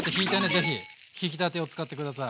ぜひひきたてを使って下さい。